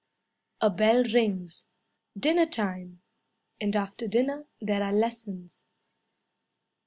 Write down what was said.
A bell rings. Dinner time; And after dinner there are lessons.